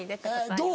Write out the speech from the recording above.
どう？